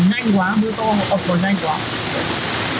nhanh quá mưa to ập còn nhanh quá